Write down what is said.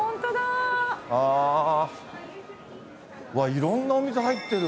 いろんなお店入ってる。